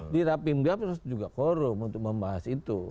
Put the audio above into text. di rapim gap harus ada quorum untuk membahas itu